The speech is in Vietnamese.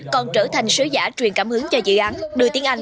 còn trở thành sứ giả truyền cảm hứng cho dự án đưa tiếng anh